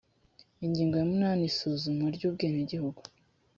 ingingo ya munani isuzumwa ry’ubwenegihugu